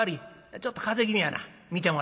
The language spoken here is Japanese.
ちょっと風邪気味やな診てもらおう。